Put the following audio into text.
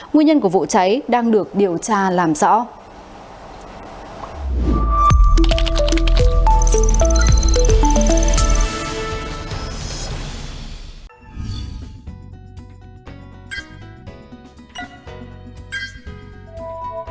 nguyên nhân của vụ cháy đang được điều tra làm rõ